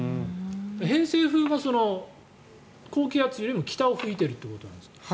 偏西風が高気圧よりも北に吹いているということですか？